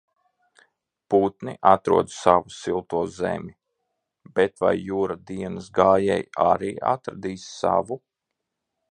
Putni atrod savu silto zemi, bet vai Jura dienas gājēji arī atradīs savu?